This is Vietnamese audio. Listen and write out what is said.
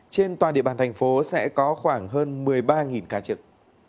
trên toàn địa bàn thành phố sẽ có khoảng hơn một mươi ba ca trực